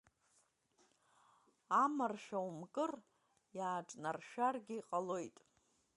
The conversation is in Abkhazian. Амаршәа умкыр, иааҿнаршәаргьы ҟалоит.